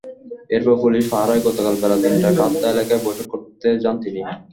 এরপর পুলিশি পাহারায় গতকাল বেলা তিনটায় কাদ্রা এলাকায় বৈঠক করতে যান তিনি।